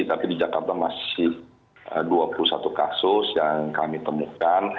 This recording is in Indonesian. tapi di jakarta masih dua puluh satu kasus yang kami temukan